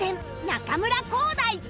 中村浩大